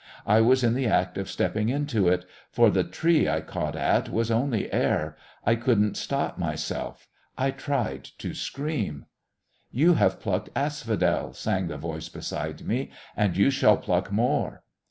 I was in the act of stepping into it. For the tree I caught at was only air. I couldn't stop myself. I tried to scream. "You have plucked asphodel," sang the voice beside me, "and you shall pluck more...."